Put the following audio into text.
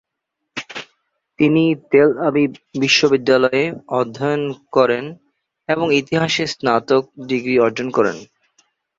তিনি Tel Aviv বিশ্ববিদ্যালয়ে অধ্যয়ন করেন এবং ইতিহাসে স্নাতক ডিগ্রী অর্জন করেন।